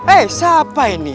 eh siapa ini